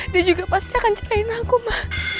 dia juga pasti akan ceraiin aku ma